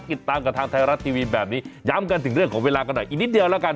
ติดตามกับทางไทยรัฐทีวีแบบนี้ย้ำกันถึงเรื่องของเวลากันหน่อยอีกนิดเดียวแล้วกัน